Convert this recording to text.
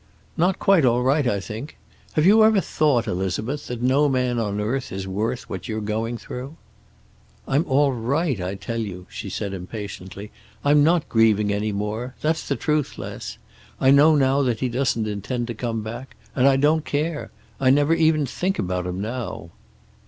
"Not quite all right, I think. Have you ever thought, Elizabeth, that no man on earth is worth what you've been going through?" "I'm all right, I tell you," she said impatiently. "I'm not grieving any more. That's the truth, Les. I know now that he doesn't intend to come back, and I don't care. I never even think about him, now."